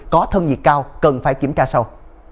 có thân dịch cao cần phải kiểm tra sau